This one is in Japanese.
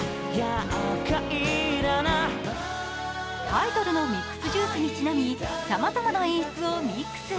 タイトルの「ミッスクジュース」にちなみ、さまざまな演出をミックス。